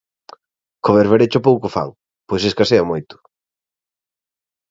Co berberecho pouco fan, pois escasea moito.